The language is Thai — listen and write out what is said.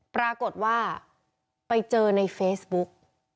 ปรากฏว่าไปเจอในเฟซบุ๊ก